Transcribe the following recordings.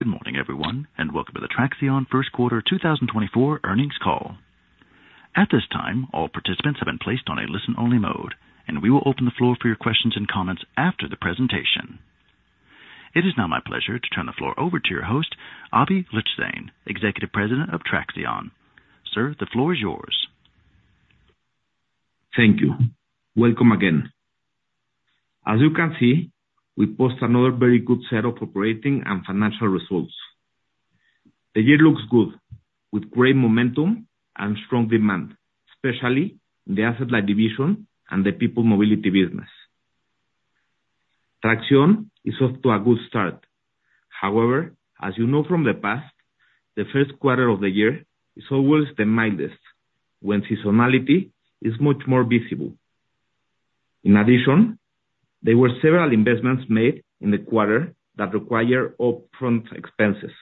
Good morning, everyone, and welcome to the Traxión First Quarter 2024 earnings call. At this time, all participants have been placed on a listen-only mode, and we will open the floor for your questions and comments after the presentation. It is now my pleasure to turn the floor over to your host, Aby Lijtszain, Executive President of Traxión. Sir, the floor is yours. Thank you. Welcome again. As you can see, we post another very good set of operating and financial results. The year looks good, with great momentum and strong demand, especially in the asset-light division and the People Mobility business. Traxión is off to a good start. However, as you know from the past, the first quarter of the year is always the mildest, when seasonality is much more visible. In addition, there were several investments made in the quarter that require upfront expenses,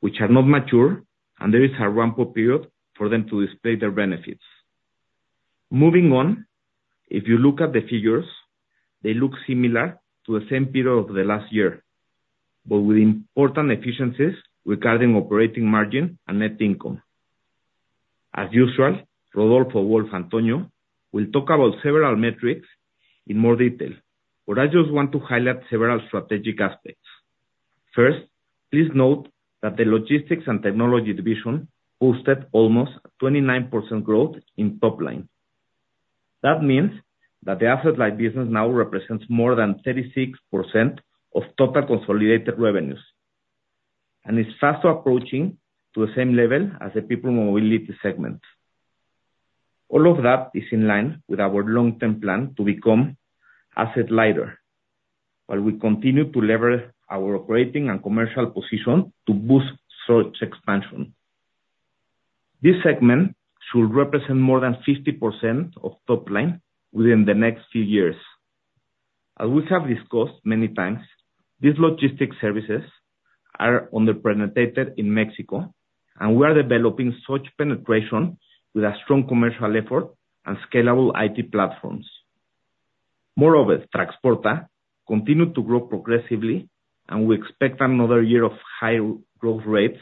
which are not mature, and there is a ramp-up period for them to display their benefits. Moving on, if you look at the figures, they look similar to the same period of the last year, but with important efficiencies regarding operating margin and net income. As usual, Rodolfo, Wolf, Antonio will talk about several metrics in more detail, but I just want to highlight several strategic aspects. First, please note that the Logistics and Technology division posted almost 29% growth in top line. That means that the asset-light business now represents more than 36% of total consolidated revenues, and is fast approaching to the same level as the People Mobility segment. All of that is in line with our long-term plan to become asset lighter, while we continue to leverage our operating and commercial position to boost such expansion. This segment should represent more than 50% of top line within the next few years. As we have discussed many times, these logistics services are underpenetrated in Mexico, and we are developing such penetration with a strong commercial effort and scalable IT platforms. Moreover, Traxporta continued to grow progressively, and we expect another year of high growth rates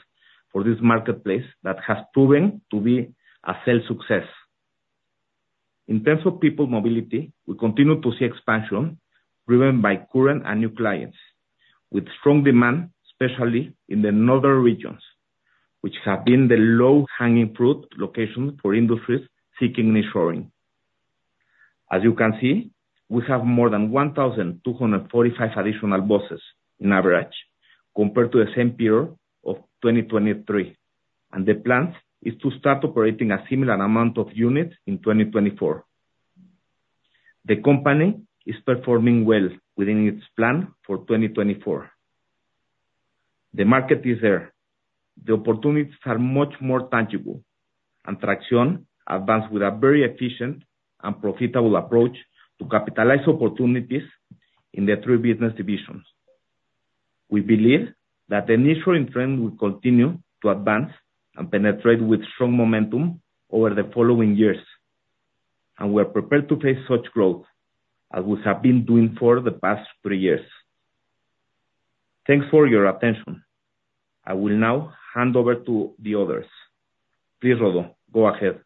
for this marketplace that has proven to be a success. In terms of People Mobility, we continue to see expansion driven by current and new clients, with strong demand, especially in the northern regions, which have been the low-hanging fruit location for industries seeking nearshoring. As you can see, we have more than 1,245 additional buses on average compared to the same period of 2023, and the plan is to start operating a similar amount of units in 2024. The company is performing well within its plan for 2024. The market is there. The opportunities are much more tangible, and Traxión advances with a very efficient and profitable approach to capitalize opportunities in the three business divisions. We believe that the nearshoring trend will continue to advance and penetrate with strong momentum over the following years, and we are prepared to face such growth, as we have been doing for the past three years. Thanks for your attention. I will now hand over to the others. Please, Rodolfo, go ahead.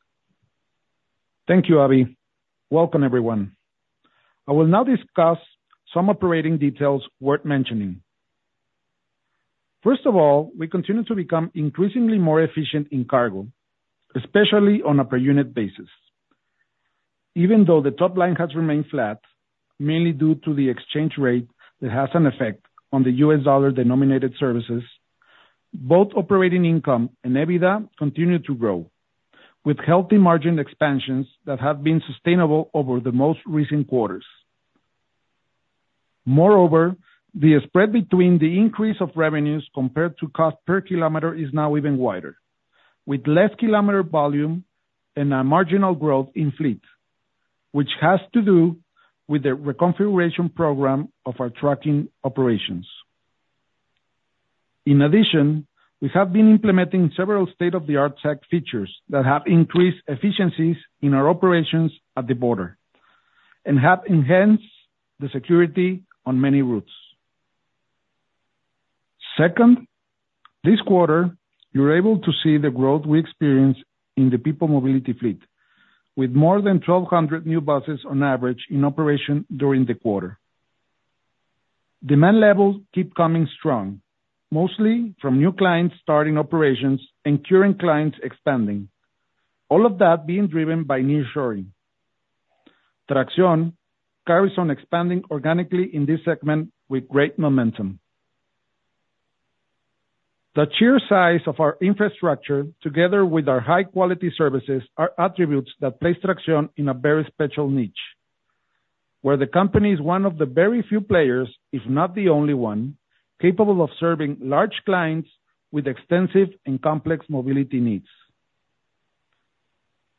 Thank you, Aby. Welcome, everyone. I will now discuss some operating details worth mentioning. First of all, we continue to become increasingly more efficient in cargo, especially on a per unit basis. Even though the top line has remained flat, mainly due to the exchange rate that has an effect on the U.S. dollar-denominated services, both operating income and EBITDA continue to grow, with healthy margin expansions that have been sustainable over the most recent quarters. Moreover, the spread between the increase of revenues compared to cost per kilometer is now even wider, with less kilometer volume and a marginal growth in fleet, which has to do with the reconfiguration program of our trucking operations. In addition, we have been implementing several state-of-the-art tech features that have increased efficiencies in our operations at the border and have enhanced the security on many routes. Second, this quarter, you're able to see the growth we experienced in the People Mobility fleet, with more than 1,200 new buses on average in operation during the quarter. Demand levels keep coming strong, mostly from new clients starting operations and current clients expanding, all of that being driven by nearshoring. Traxión carries on expanding organically in this segment with great momentum. The sheer size of our infrastructure, together with our high-quality services, are attributes that place Traxión in a very special niche, where the company is one of the very few players, if not the only one, capable of serving large clients with extensive and complex mobility needs.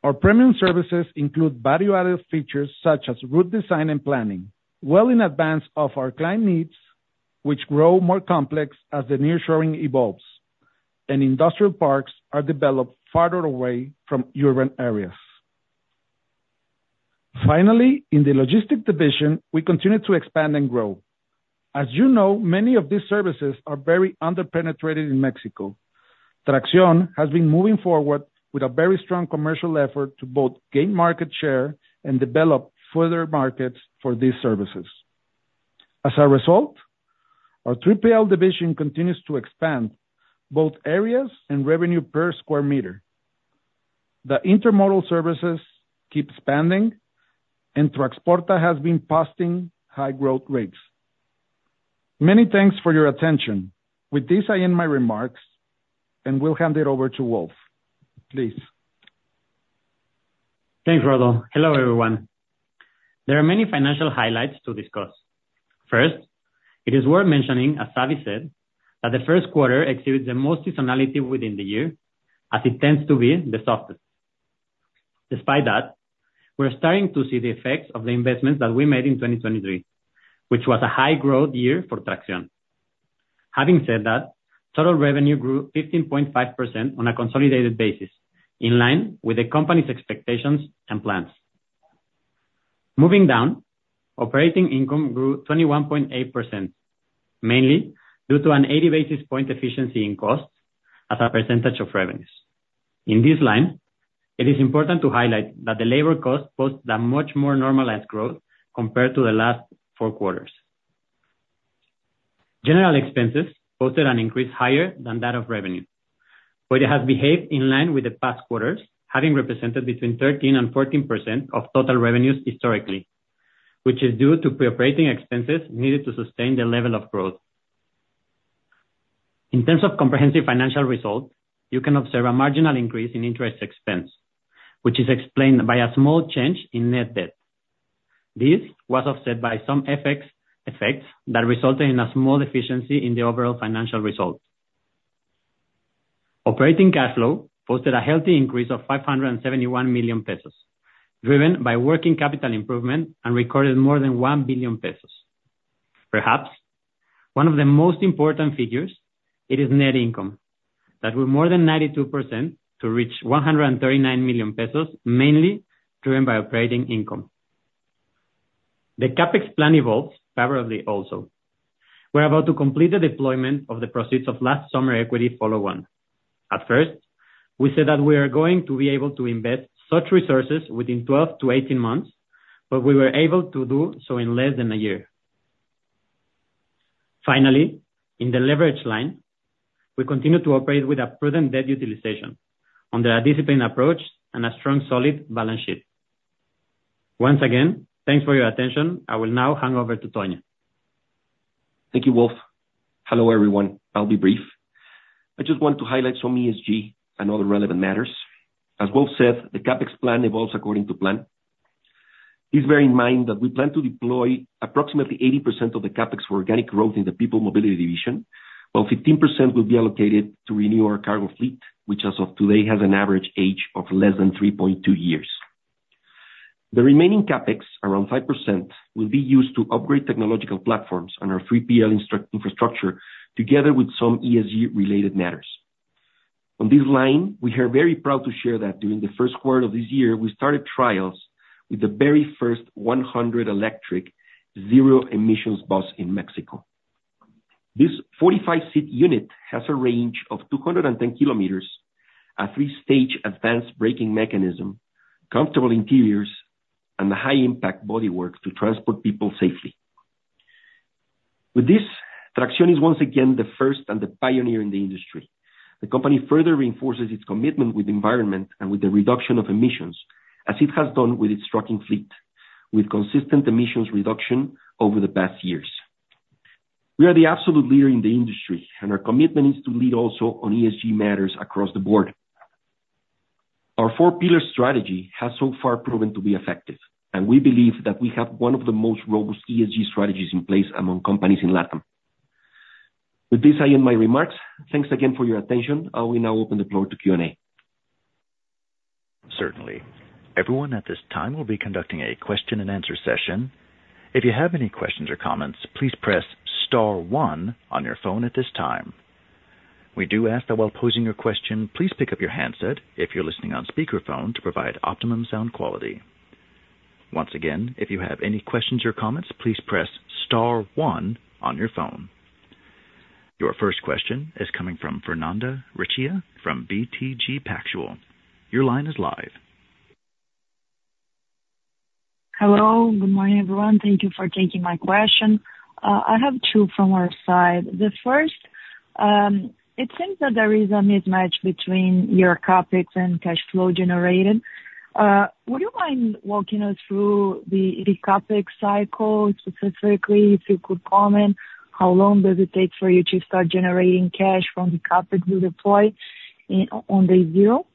Our premium services include value-added features such as route design and planning, well in advance of our client needs, which grow more complex as the nearshoring evolves and industrial parks are developed farther away from urban areas. ...Finally, in the logistics division, we continue to expand and grow. As you know, many of these services are very under-penetrated in Mexico. Traxión has been moving forward with a very strong commercial effort to both gain market share and develop further markets for these services. As a result, our logistics division continues to expand both areas and revenue per square meter. The intermodal services keep expanding, and Traxporta has been posting high growth rates. Many thanks for your attention. With this, I end my remarks, and will hand it over to Wolf, please. Thanks, Rodolfo. Hello, everyone. There are many financial highlights to discuss. First, it is worth mentioning, as Aby said, that the first quarter exhibits the most seasonality within the year, as it tends to be the softest. Despite that, we're starting to see the effects of the investments that we made in 2023, which was a high growth year for Traxión. Having said that, total revenue grew 15.5% on a consolidated basis, in line with the company's expectations and plans. Moving down, operating income grew 21.8%, mainly due to an 80 basis point efficiency in costs as a percentage of revenues. In this line, it is important to highlight that the labor costs posted a much more normalized growth compared to the last four quarters. General expenses posted an increase higher than that of revenue, but it has behaved in line with the past quarters, having represented between 13% and 14% of total revenues historically, which is due to pre-operating expenses needed to sustain the level of growth. In terms of comprehensive financial results, you can observe a marginal increase in interest expense, which is explained by a small change in net debt. This was offset by some FX effects that resulted in a small deficiency in the overall financial results. Operating cash flow posted a healthy increase of 571 million pesos, driven by working capital improvement and recorded more than 1 billion pesos. Perhaps, one of the most important figures, it is net income that grew more than 92% to reach 139 million pesos, mainly driven by operating income. The CapEx plan evolves favorably also. We're about to complete the deployment of the proceeds of last summer equity follow-on. At first, we said that we are going to be able to invest such resources within 12-18 months, but we were able to do so in less than a year. Finally, in the leverage line, we continue to operate with a prudent debt utilization under a disciplined approach and a strong, solid balance sheet. Once again, thanks for your attention. I will now hand over to Antonio. Thank you, Wolf. Hello, everyone. I'll be brief. I just want to highlight some ESG and other relevant matters. As Wolf said, the CapEx plan evolves according to plan. Please bear in mind that we plan to deploy approximately 80% of the CapEx for organic growth in the People Mobility division, while 15% will be allocated to renew our cargo fleet, which, as of today, has an average age of less than 3.2 years. The remaining CapEx, around 5%, will be used to upgrade technological platforms and our 3PL infrastructure, together with some ESG-related matters. On this line, we are very proud to share that during the first quarter of this year, we started trials with the very first 100% electric zero-emissions bus in Mexico. This 45-seat unit has a range of 210 kilometers, a three-stage advanced braking mechanism, comfortable interiors, and high impact bodywork to transport people safely. With this, Traxión is once again the first and the pioneer in the industry. The company further reinforces its commitment with the environment and with the reduction of emissions, as it has done with its trucking fleet, with consistent emissions reduction over the past years. We are the absolute leader in the industry, and our commitment is to lead also on ESG matters across the board. Our four-pillar strategy has so far proven to be effective, and we believe that we have one of the most robust ESG strategies in place among companies in LatAm. With this, I end my remarks. Thanks again for your attention. I will now open the floor to Q&A. Certainly. Everyone at this time, we'll be conducting a question-and-answer session. If you have any questions or comments, please press star one on your phone at this time. We do ask that while posing your question, please pick up your handset if you're listening on speakerphone to provide optimum sound quality. Once again, if you have any questions or comments, please press star one on your phone. Your first question is coming from Fernanda Recio from BTG Pactual. Your line is live. Hello. Good morning, everyone. Thank you for taking my question. I have two from our side. The first, it seems that there is a mismatch between your CapEx and cash flow generated. Would you mind walking us through the CapEx cycle? Specifically, if you could comment, how long does it take for you to start generating cash from the CapEx you deploy on day zero?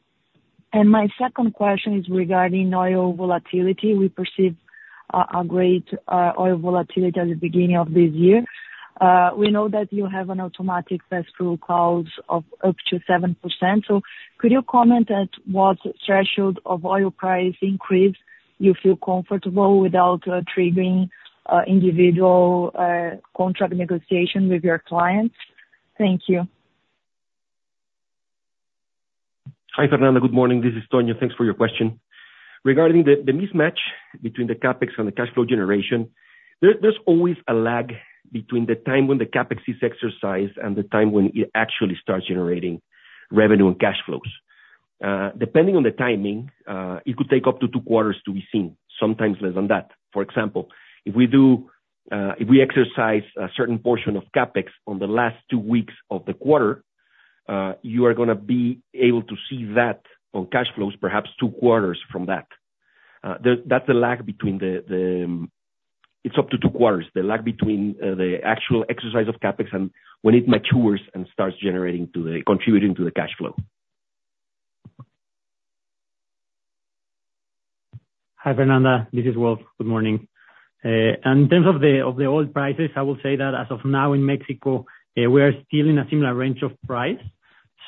And my second question is regarding oil volatility. We perceive a great oil volatility at the beginning of this year. We know that you have an automatic pass-through clause of up to 7%. So could you comment at what threshold of oil price increase you feel comfortable without triggering individual contract negotiation with your clients? Thank you.... Hi, Fernanda. Good morning, this is Antonio. Thanks for your question. Regarding the mismatch between the CapEx and the cash flow generation, there's always a lag between the time when the CapEx is exercised and the time when it actually starts generating revenue and cash flows. Depending on the timing, it could take up to two quarters to be seen, sometimes less than that. For example, if we exercise a certain portion of CapEx on the last two weeks of the quarter, you are gonna be able to see that on cash flows, perhaps two quarters from that. That's the lag between the actual exercise of CapEx and when it matures and starts generating contributing to the cash flow. Hi, Fernanda, this is Wolf. Good morning. In terms of the oil prices, I will say that as of now in Mexico, we are still in a similar range of price,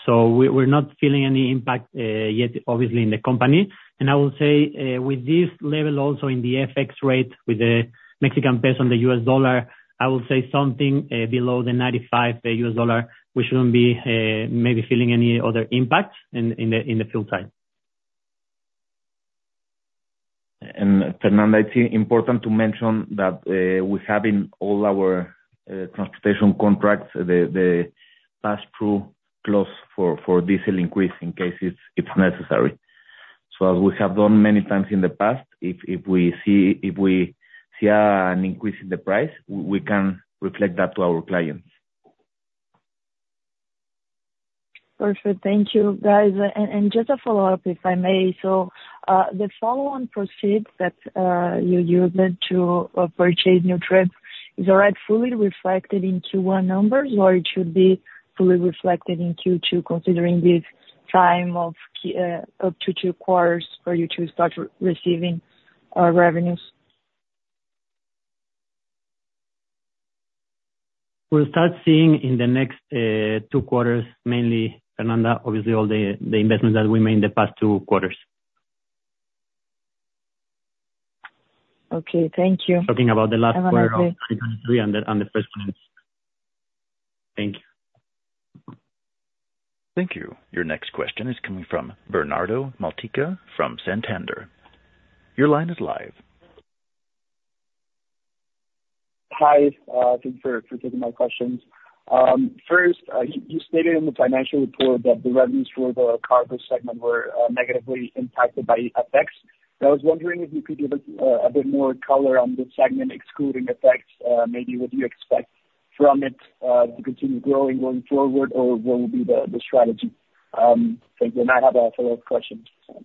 so we're not feeling any impact yet, obviously in the company. I will say, with this level also in the FX rate, with the Mexican peso and the US dollar, I will say something below the $95, we shouldn't be maybe feeling any other impacts in the full time. Fernanda, it's important to mention that we have in all our transportation contracts the pass-through clause for diesel increase in case it's necessary. So as we have done many times in the past, if we see an increase in the price, we can reflect that to our clients. Perfect. Thank you, guys. And just a follow-up, if I may. So, the follow-on proceeds that you're using to purchase new trips, is that fully reflected in Q1 numbers, or it should be fully reflected in Q2, considering the time it takes up to two quarters for you to start receiving revenues? We'll start seeing in the next two quarters, mainly, Fernanda, obviously all the investments that we made in the past two quarters. Okay, thank you. Talking about the last quarter of 2023 and the first quarter. Thank you. Thank you. Your next question is coming from Bernardo Malpica from Santander. Your line is live. Hi, thank you for taking my questions. First, you stated in the financial report that the revenues for the cargo segment were negatively impacted by FX. I was wondering if you could give a bit more color on this segment, excluding FX, maybe what you expect from it to continue growing going forward, or what will be the strategy? Thank you, and I have a follow-up question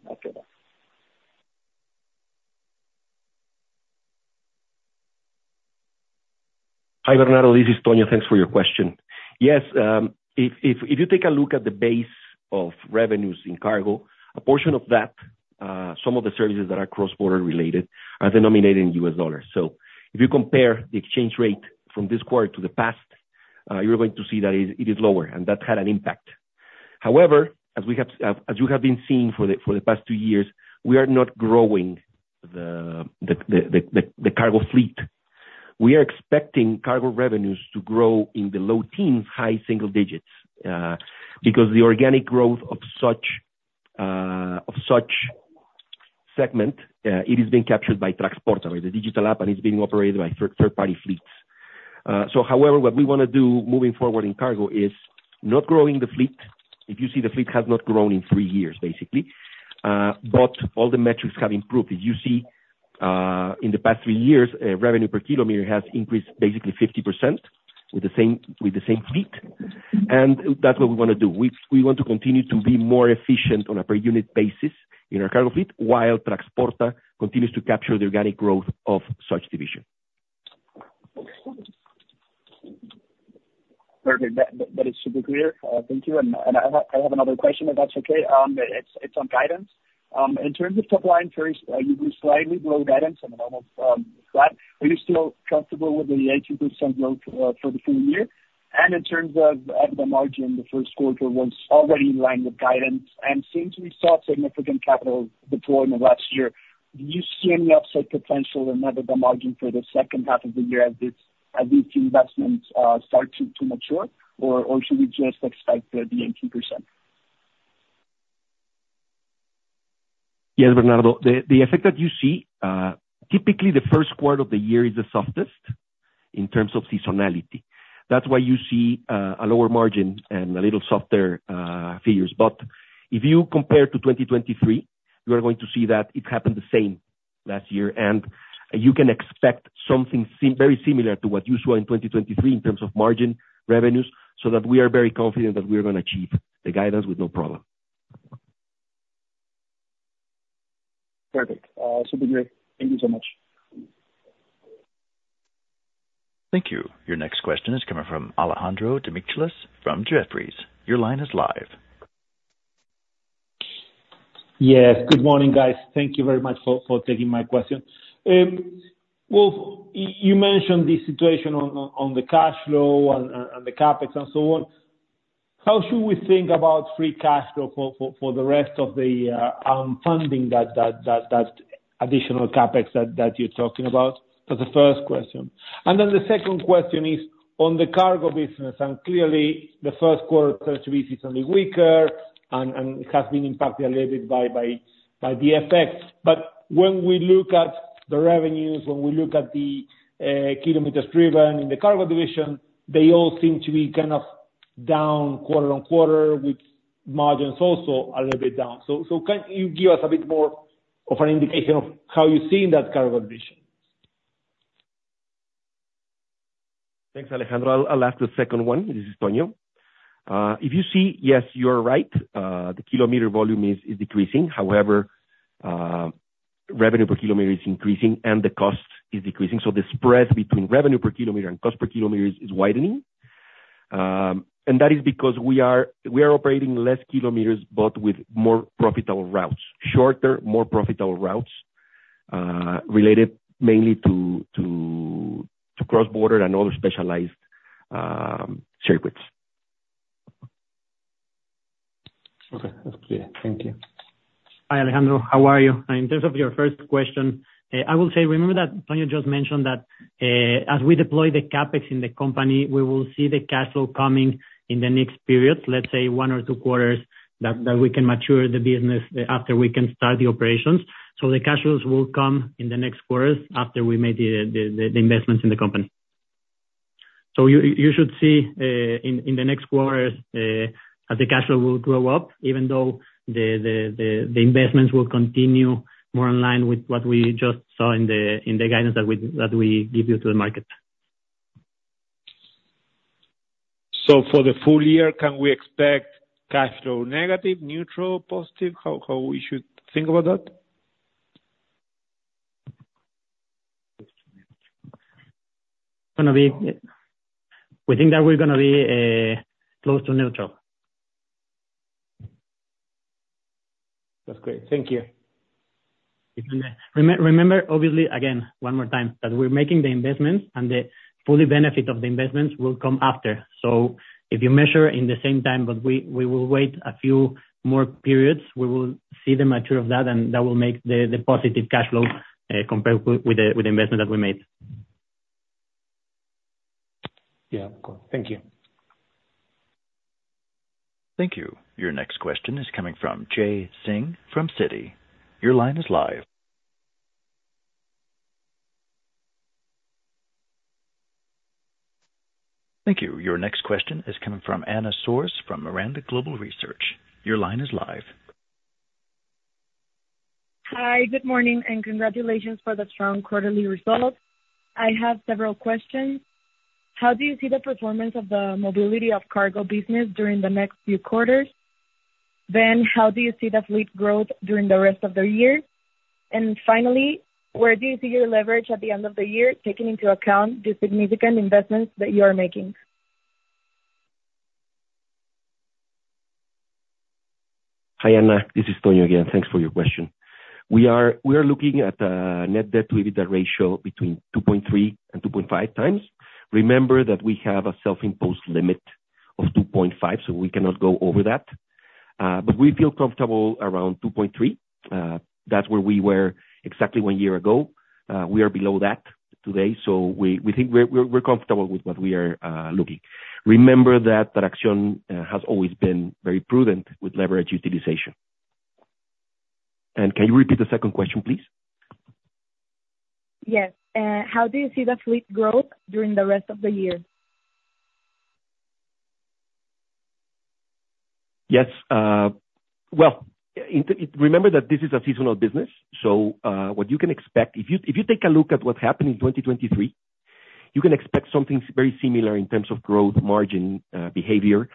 after that. Hi, Bernardo, this is Antonio. Thanks for your question. Yes, if you take a look at the base of revenues in cargo, a portion of that, some of the services that are cross-border related, are denominated in U.S. dollars. So if you compare the exchange rate from this quarter to the past, you are going to see that it is lower, and that had an impact. However, as we have, as you have been seeing for the past two years, we are not growing the cargo fleet. We are expecting cargo revenues to grow in the low teens, high single digits, because the organic growth of such segment, it is being captured by Traxporta, the digital app, and it's being operated by third party fleets. So however, what we wanna do moving forward in cargo is not growing the fleet. If you see, the fleet has not grown in three years, basically, but all the metrics have improved. You see, in the past three years, revenue per kilometer has increased basically 50% with the same, with the same fleet, and that's what we wanna do. We, we want to continue to be more efficient on a per unit basis in our cargo fleet, while Traxporta continues to capture the organic growth of such division. Perfect. That is super clear. Thank you. And I have another question, if that's okay. It's on guidance. In terms of top line, first, you were slightly below guidance on an annual slide. Are you still comfortable with the 18% growth for the full year? And in terms of the margin, the first quarter was already in line with guidance, and since we saw significant capital deployed in the last year, do you see any upside potential or net of the margin for the second half of the year as these investments start to mature, or should we just expect the 18%? Yes, Bernardo, the effect that you see, typically the first quarter of the year is the softest in terms of seasonality. That's why you see a lower margin and a little softer figures. But if you compare to 2023, you are going to see that it happened the same last year, and you can expect something very similar to what you saw in 2023 in terms of margin revenues, so that we are very confident that we are gonna achieve the guidance with no problem. Perfect. Super great. Thank you so much. Thank you. Your next question is coming from Alejandro Demichelis from Jefferies. Your line is live. Yes. Good morning, guys. Thank you very much for taking my question. Wolf, you mentioned the situation on the cash flow and the CapEx and so on. How should we think about free cash flow for the rest of the funding that additional CapEx that you're talking about? That's the first question. And then the second question is on the cargo business, and clearly the first quarter tends to be seasonally weaker and has been impacted a little bit by the FX. But when we look at the revenues, when we look at the kilometers driven in the cargo division, they all seem to be kind of down quarter-over-quarter, with margins also a little bit down. So, can you give us a bit more of an indication of how you're seeing that cargo division? Thanks, Alejandro. I'll ask the second one. This is Antonio. If you see, yes, you are right, the kilometer volume is decreasing. However, revenue per kilometer is increasing and the cost is decreasing, so the spread between revenue per kilometer and cost per kilometer is widening. And that is because we are operating less kilometers, but with more profitable routes, shorter, more profitable routes, related mainly to cross-border and other specialized circuits. Okay, that's clear. Thank you. Hi, Alejandro, how are you? In terms of your first question, I will say, remember that Tony just mentioned that, as we deploy the CapEx in the company, we will see the cash flow coming in the next period, let's say, one or two quarters, that we can mature the business after we can start the operations. So the cash flows will come in the next quarters after we make the investments in the company. So you should see, in the next quarters, that the cash flow will grow up, even though the investments will continue more in line with what we just saw in the guidance that we give you to the market. For the full year, can we expect cash flow negative, neutral, positive? How should we think about that? Gonna be... We think that we're gonna be close to neutral. That's great. Thank you. Remember, remember, obviously, again, one more time, that we're making the investments, and the full benefit of the investments will come after. So if you measure in the same time, but we will wait a few more periods, we will see the maturity of that, and that will make the positive cash flows compared with the investment that we made. Yeah. Thank you. Thank you. Your next question is coming from Jay Singh from Citi. Your line is live. Thank you. Your next question is coming from Ana Sors from Miranda Global Research. Your line is live. Hi, good morning, and congratulations for the strong quarterly results. I have several questions. How do you see the performance of the Cargo Mobility business during the next few quarters? Then, how do you see the fleet growth during the rest of the year? And finally, where do you see your leverage at the end of the year, taking into account the significant investments that you are making? Hi, Ana. This is Antonio again. Thanks for your question. We are looking at net debt to EBITDA ratio between 2.3 and 2.5 times. Remember that we have a self-imposed limit of 2.5, so we cannot go over that. But we feel comfortable around 2.3. That's where we were exactly one year ago. We are below that today, so we think we're comfortable with what we are looking. Remember that Traxión has always been very prudent with leverage utilization. Can you repeat the second question, please? Yes. How do you see the fleet growth during the rest of the year? Yes. Well, remember that this is a seasonal business, so what you can expect... If you, if you take a look at what happened in 2023, you can expect something very similar in terms of growth margin behavior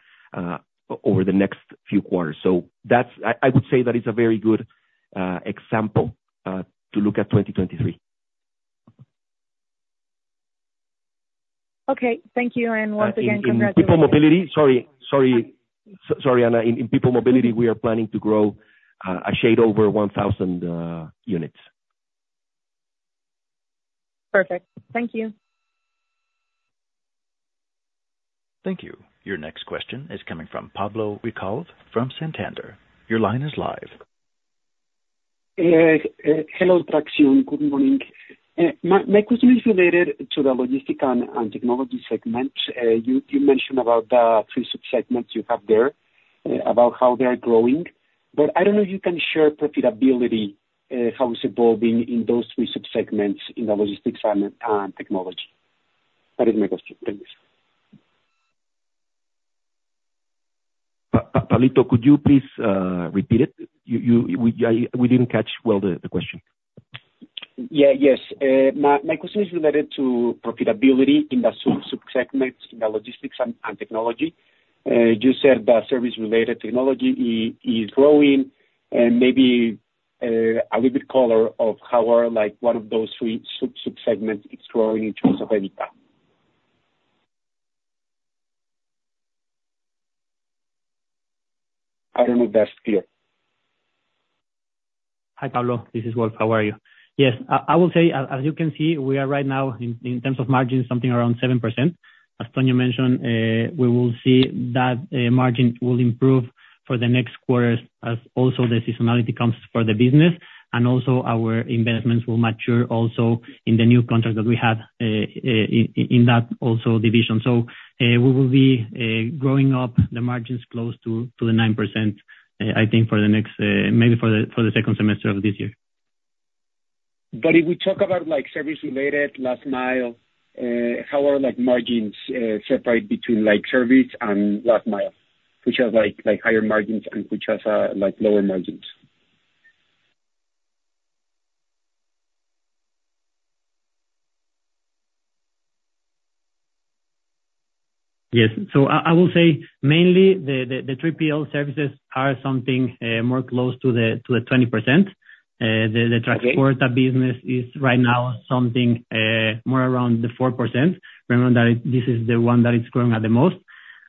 over the next few quarters. So that's. I, I would say that it's a very good example to look at 2023. Okay, thank you. Once again, congratulations. In People Mobility—Sorry, sorry, sorry, Anna. In People Mobility, we are planning to grow a shade over 1,000 units. Perfect. Thank you. Thank you. Your next question is coming from Pablo Ricalde from Santander. Your line is live. Hello, Traxión. Good morning. My question is related to the Logistics and Technology segment. You mentioned about the three sub-segments you have there, about how they are growing, but I don't know if you can share profitability, how it's evolving in those three sub-segments in the Logistics and Technology. That is my question. Thanks. Pablo, could you please repeat it? You... We didn't catch well the question. Yeah, yes. My question is related to profitability in the sub-segments in the Logistics and Technology. You said that service-related technology is growing, and maybe a little bit color of how are, like, one of those three sub-segments is growing in terms of EBITDA. I don't know if that's clear. Hi, Pablo, this is Wolf. How are you? Yes, I will say, as you can see, we are right now in terms of margins something around 7%. As Tony mentioned, we will see that margin will improve for the next quarters as also the seasonality comes for the business, and also our investments will mature also in the new contract that we have in that also division. So, we will be growing up the margins close to the 9%, I think for the next maybe for the second semester of this year.... But if we talk about, like, service related, last mile, how are, like, margins separate between, like, service and last mile? Which have, like, like, higher margins and which has, like, lower margins? Yes. So I will say mainly the services are something more close to the 20%. The Traxporta business is right now something more around the 4%. Remember that this is the one that is growing at the most.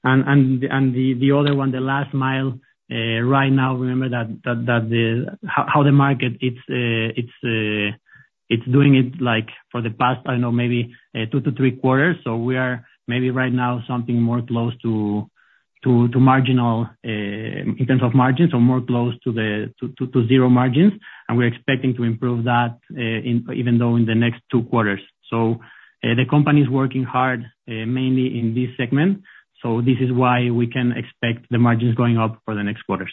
And the other one, the last mile, right now, remember that how the market is doing it, like, for the past, I don't know, maybe 2-3 quarters. So we are maybe right now something more close to marginal in terms of margins or more close to zero margins. And we're expecting to improve that even in the next 2 quarters. So the company is working hard mainly in this segment, so this is why we can expect the margins going up for the next quarters.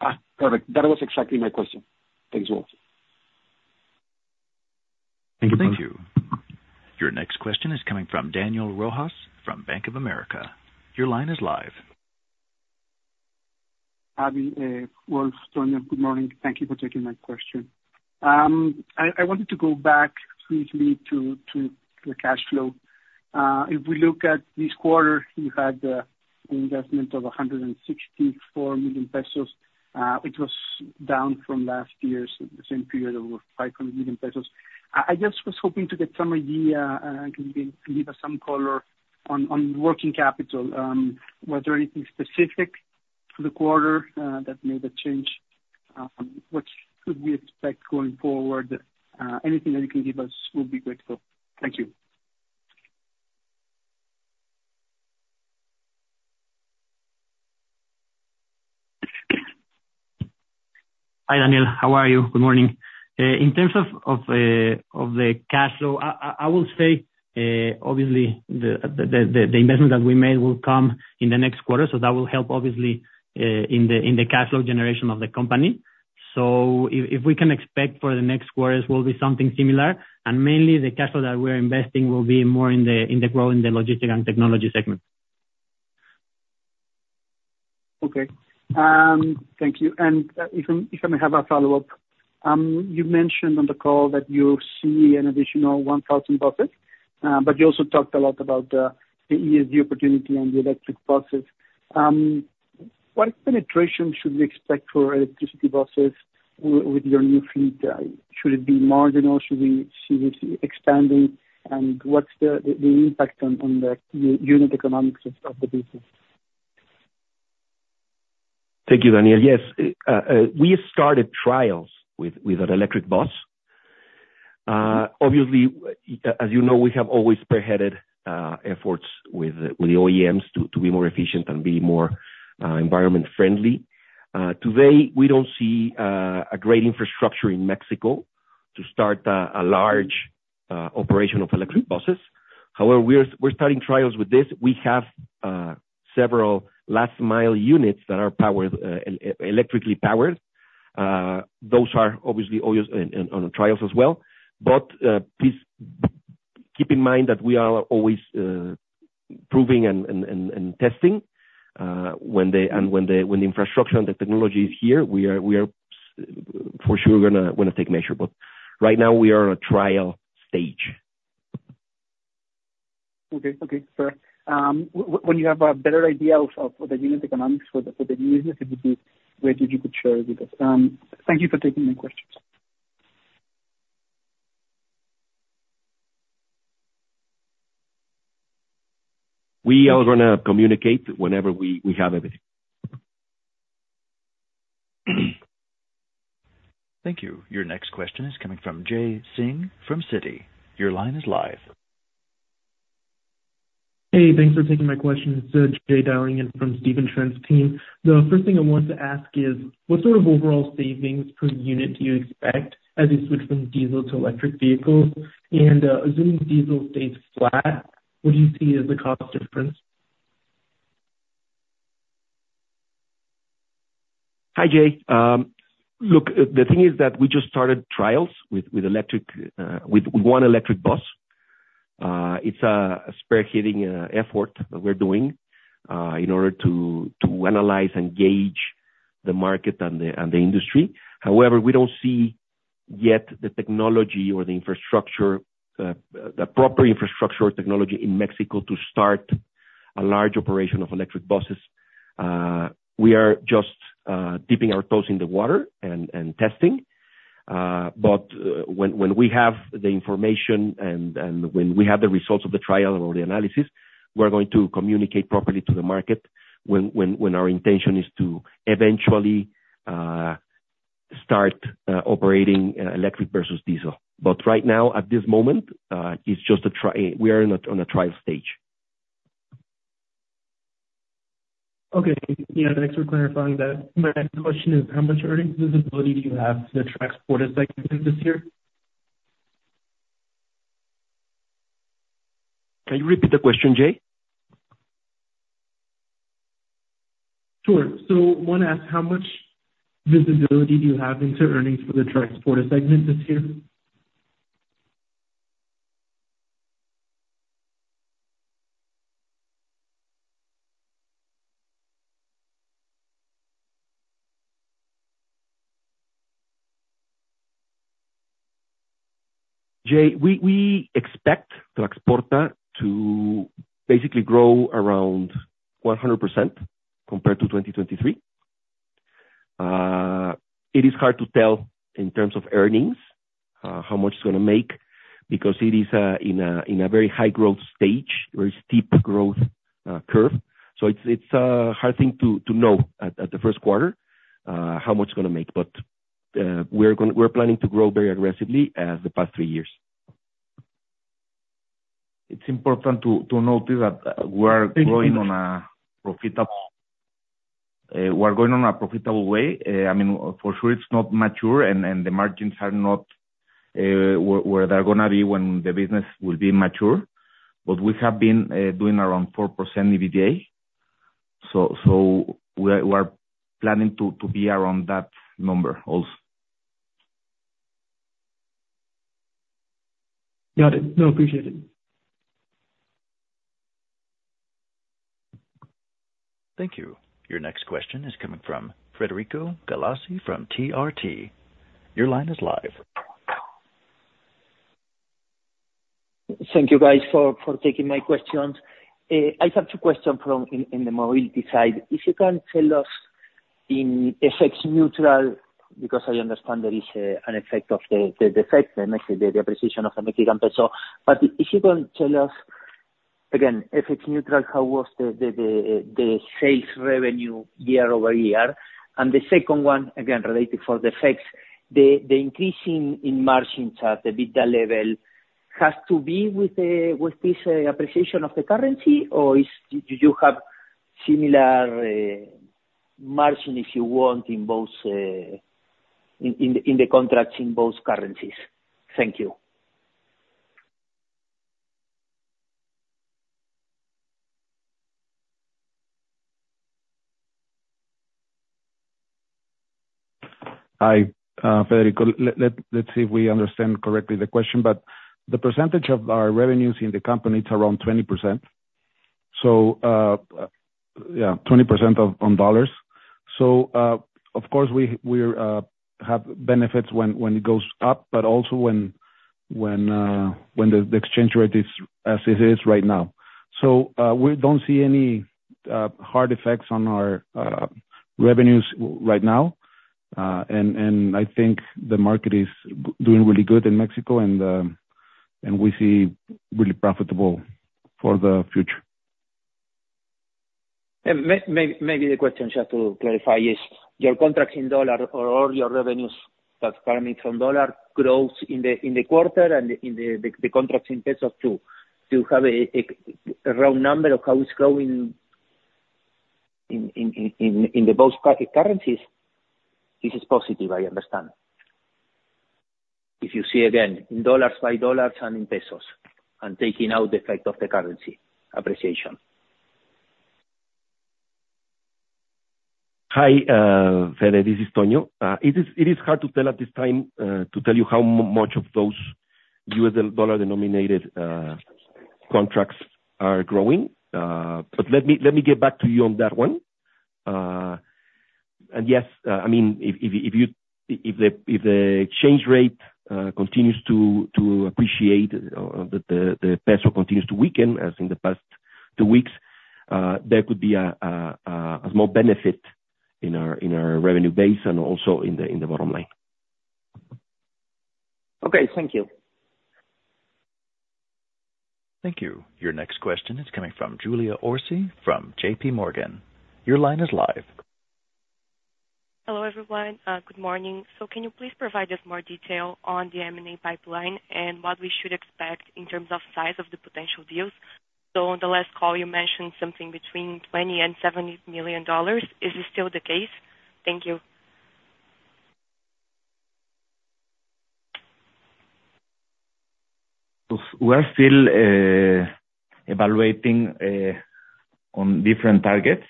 Ah, perfect. That was exactly my question. Thanks a lot. Thank you. Thank you. Your next question is coming from Daniel Rojas from Bank of America. Your line is live. Aby, Wolf, Antonio, good morning. Thank you for taking my question. I wanted to go back briefly to the cash flow. If we look at this quarter, you had the investment of 164 million pesos, which was down from last year's, the same period, it was 500 million pesos. I just was hoping to get some idea, can you give us some color on working capital. Was there anything specific to the quarter that made a change? What should we expect going forward? Anything that you can give us will be grateful. Thank you. Hi, Daniel, how are you? Good morning. In terms of the cash flow, I will say, obviously the investment that we made will come in the next quarter, so that will help obviously in the cash flow generation of the company. So if we can expect for the next quarters will be something similar, and mainly the cash flow that we're investing will be more in the growth in the Logistics and Technology segment. Okay. Thank you. If I may have a follow-up. You mentioned on the call that you see an additional 1,000 buses, but you also talked a lot about the ESG opportunity and the electric buses. What penetration should we expect for electric buses with your new fleet? Should it be marginal? Should it be expanding? And what's the impact on the unit economics of the business? Thank you, Daniel. Yes, we started trials with an electric bus. Obviously, as you know, we have always spearheaded efforts with the OEMs to be more efficient and be more environment friendly. Today, we don't see a great infrastructure in Mexico to start a large operation of electric buses. However, we're starting trials with this. We have several last mile units that are powered electrically powered. Those are obviously always on trials as well. But please keep in mind that we are always improving and testing. When the infrastructure and the technology is here, we are for sure gonna take measure, but right now we are on a trial stage. Okay. Okay, fair. When you have a better idea of the unit economics for the new business, it would be great if you could share with us. Thank you for taking my questions. We are gonna communicate whenever we have everything. Thank you. Your next question is coming from Jay Singh from Citi. Your line is live. Hey, thanks for taking my question. It's Jay dialing in from Stephen Trent's team. The first thing I wanted to ask is: What sort of overall savings per unit do you expect as you switch from diesel to electric vehicles? And, assuming diesel stays flat, what do you see as the cost difference? Hi, Jay. Look, the thing is that we just started trials with electric with one electric bus. It's a spearheading effort that we're doing in order to analyze and gauge the market and the industry. However, we don't see yet the technology or the infrastructure, the proper infrastructure or technology in Mexico to start a large operation of electric buses. We are just dipping our toes in the water and testing, but when we have the information and when we have the results of the trial or the analysis, we're going to communicate properly to the market, when our intention is to eventually start operating electric versus diesel. But right now, at this moment, it's just a... we are on a trial stage. Okay. Yeah, thanks for clarifying that. My next question is: How much earnings visibility do you have to the Traxporta segment this year?... Can you repeat the question, Jay? Sure. So wanna ask, how much visibility do you have into earnings for the Traxporta segment this year? Jay, we expect Traxporta to basically grow around 100% compared to 2023. It is hard to tell in terms of earnings how much it's gonna make, because it is in a very high growth stage, very steep growth curve. So it's a hard thing to know at the first quarter how much it's gonna make. But we're planning to grow very aggressively as the past three years. It's important to note, too, that we're growing on a profitable, we're growing on a profitable way. I mean, for sure, it's not mature, and the margins are not where they're gonna be when the business will be mature. But we have been doing around 4% EBITDA, so we are planning to be around that number also. Got it. No, appreciate it. Thank you. Your next question is coming from Federico Galassi from TRG. Your line is live. Thank you, guys, for taking my questions. I have two questions from the mobility side. If you can tell us FX neutral, because I understand there is an effect of the fact, the appreciation of the Mexican peso. But if you can tell us, again, FX neutral, how was the sales revenue year-over-year? And the second one, again, related for the effects, the increasing in margins at the EBITDA level has to be with this appreciation of the currency? Or is... Did you have similar margin, if you want, in both contracts in both currencies? Thank you. Hi, Federico. Let's see if we understand correctly the question, but the percentage of our revenues in the company is around 20%. So, yeah, 20% of on dollars. So, of course, we have benefits when it goes up, but also when the exchange rate is as it is right now. So, we don't see any hard effects on our revenues right now. And I think the market is doing really good in Mexico and we see really profitable for the future. And maybe the question, just to clarify, is your contracts in dollar or all your revenues that coming from dollar grows in the contracts in peso too, to have a round number of how it's growing in both currencies. This is positive, I understand. If you see again, in dollars, by dollars and in pesos, and taking out the effect of the currency appreciation. Hi, Federico, this is Antonio. It is hard to tell at this time to tell you how much of those U.S. dollar-denominated contracts are growing. But let me get back to you on that one. And yes, I mean, if the exchange rate continues to appreciate, the peso continues to weaken, as in the past two weeks, there could be a small benefit in our revenue base and also in the bottom line. Okay. Thank you. Thank you. Your next question is coming from Julia Orsi from JPMorgan. Your line is live. Hello, everyone, good morning. So can you please provide us more detail on the M&A pipeline and what we should expect in terms of size of the potential deals? So on the last call, you mentioned something between $20 million and $70 million. Is this still the case? Thank you. We're still evaluating on different targets.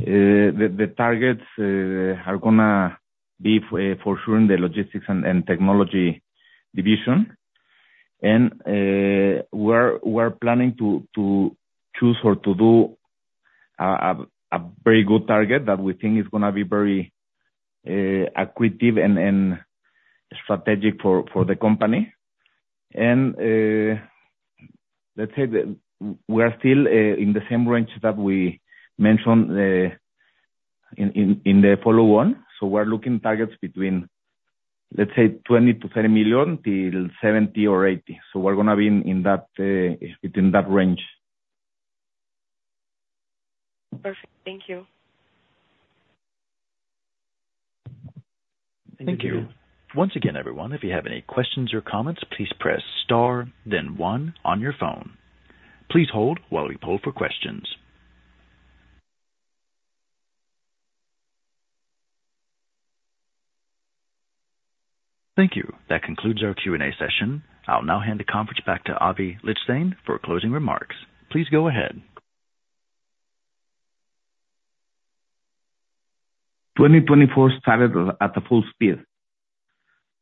The targets are gonna be for sure in the Logistics and Technology division. We're planning to choose or to do a very good target that we think is gonna be very accretive and strategic for the company. Let's say that we are still in the same range that we mentioned in the follow-on. So we're looking targets between, let's say, $20-$30 million to $70-$80 million. So we're gonna be in that within that range. Perfect. Thank you. Thank you. Once again, everyone, if you have any questions or comments, please press star then one on your phone. Please hold while we poll for questions. Thank you. That concludes our Q&A session. I'll now hand the conference back to Aby Lijtszain for closing remarks. Please go ahead. 2024 started at the full speed.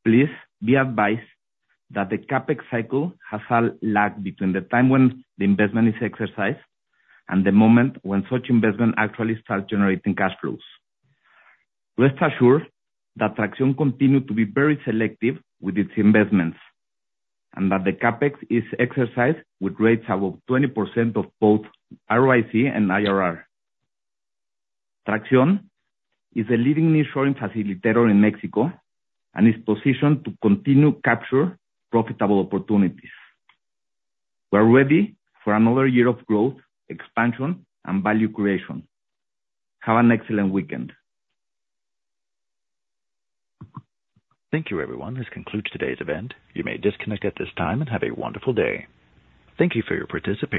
Please be advised that the CapEx cycle has a lag between the time when the investment is exercised and the moment when such investment actually starts generating cash flows. Rest assured that Traxión continued to be very selective with its investments, and that the CapEx is exercised with rates above 20% of both ROIC and IRR. Traxión is a leading nearshoring facilitator in Mexico and is positioned to continue capture profitable opportunities. We're ready for another year of growth, expansion, and value creation. Have an excellent weekend. Thank you, everyone. This concludes today's event. You may disconnect at this time, and have a wonderful day. Thank you for your participation.